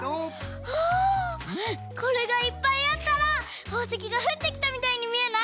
あこれがいっぱいあったらほうせきがふってきたみたいにみえない？